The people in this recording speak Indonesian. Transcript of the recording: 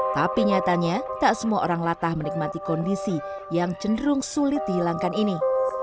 tapi nyatanya tak semua orang latah menikmati kondisi yang cenderung sulit dihilangkan ini